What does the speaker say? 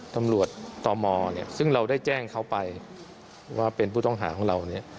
ตำรวจตมซึ่งเราได้แจ้งเขาไปว่าเป็นผู้ต้องหาของเรา